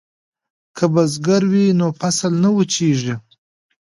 که بزګر وي نو فصل نه وچېږي.